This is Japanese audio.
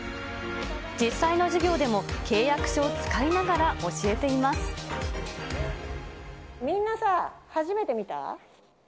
実際の授業でも、契約書を使みんなさあ、初めて見た？